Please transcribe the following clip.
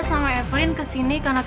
saya segera kesana